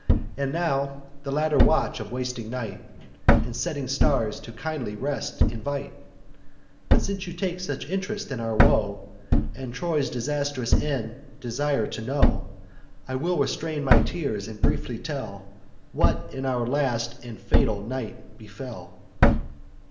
And now the latter watch of wasting night, And setting stars, to kindly rest invite; But, since you take such int'rest in our woe, And Troy's disastrous end desire to know, I will restrain my tears, and briefly tell What in our last and fatal night befell.